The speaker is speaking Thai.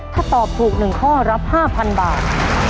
ถ้าตอบถูก๑ข้อรับ๕๐๐๐บาท